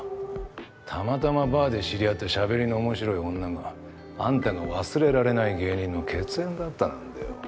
たまたまバーで知り合った喋りの面白い女があんたが忘れられない芸人の血縁だったなんてよ。